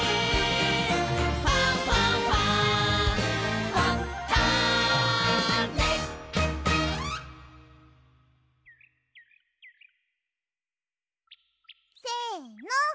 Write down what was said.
「ファンファンファン」せの！